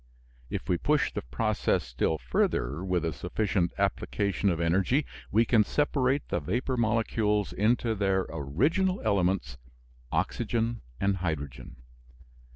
If we push the process still further, with a sufficient application of energy we can separate the vapor molecules into their original elements, oxygen and hydrogen.